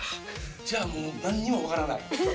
じゃあもうなんにもわからない。